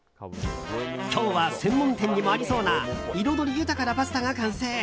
今日は専門店にもありそうな彩り豊かなパスタが完成。